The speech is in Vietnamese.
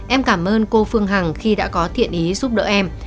em cảm ơn cô phương hằng khi đã có thiện ý giúp đỡ em